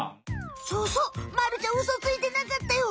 そうそうまるちゃんウソついてなかったよ。